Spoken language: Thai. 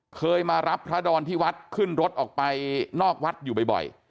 เคยมารับพระดอนที่วัดขึ้นรถออกไปนอกวัดอยู่บ่อย